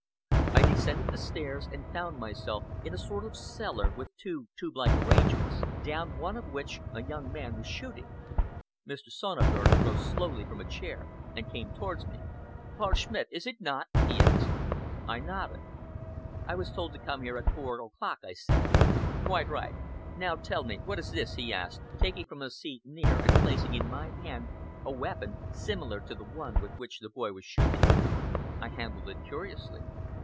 I descended the stairs, and found myself in a sort of cellar with two tubelike arrangements, down one of which a young man was shooting. Mr. Sonneberg rose slowly from a chair and came towards me. "Paul Schmidt, is it not?" he asked. I nodded. "I was told to come here at four o'clock," I said. "Quite right. Now tell me, what is this?" he asked, taking from a seat near and placing in my hand a weapon, similar to the one with which the boy was shooting. I handled it curiously.